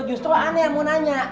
justru aneh yang mau nanya